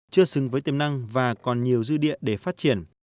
chưa xứng với tiềm năng và còn nhiều dư địa để phát triển